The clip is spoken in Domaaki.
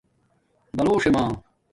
بلݽے مݳ